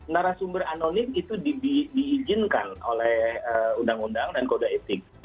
narasumber anonim itu diizinkan oleh undang undang dan kode etik